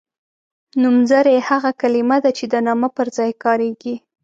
نومځری هغه کلمه ده چې د نامه پر ځای کاریږي.